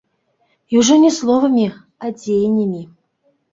І ўжо не словамі, а дзеяннямі.